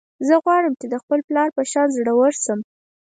زه غواړم چې د خپل پلار په شان زړور شم